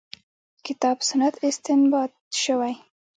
کتاب سنت استنباط شوې.